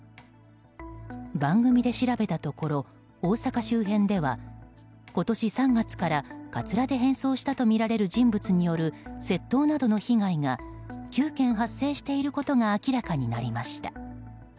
番組で調べたところ大阪周辺では今年３月から、かつらで変装したとみられる人物による窃盗などの被害が９件発生していることが明らかになりました。